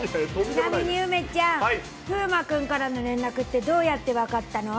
ちなみに、梅ちゃん、風磨君からの連絡って、どうやって分かったの？